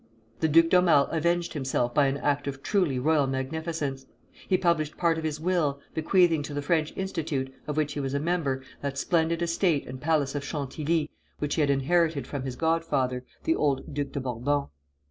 The Duc d'Aumale avenged himself by an act of truly royal magnificence. He published part of his will, bequeathing to the French Institute, of which he was a member, that splendid estate and palace of Chantilly which he had inherited from his godfather, the old Duke of Bourbon.